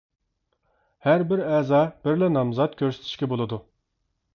ھەربىر ئەزا بىرلا نامزات كۆرسىتىشكە بولىدۇ.